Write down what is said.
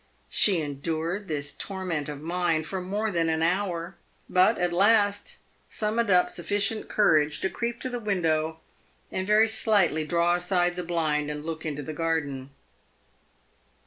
She endured this torment of mind for more than an hour, but, at last, summoned up sufficient courage to creep to the window and very slightly draw aside the blind and look into the garden.